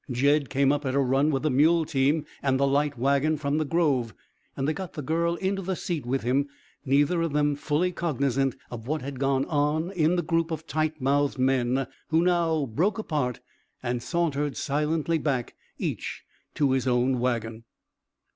Jed came up at a run with the mule team and the light wagon from the grove, and they got the girl into the seat with him, neither of them fully cognizant of what had gone on in the group of tight mouthed men who now broke apart and sauntered silently back, each to his own wagon.